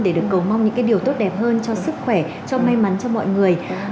để được cầu mong những điều tốt đẹp hơn cho sức khỏe cho may mắn cho mọi người